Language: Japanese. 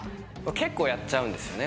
結構やっちゃうんですよね